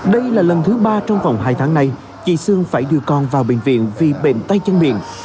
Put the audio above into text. đây là lần thứ ba trong vòng hai tháng nay chị sương phải đưa con vào bệnh viện vì bệnh tay chân miệng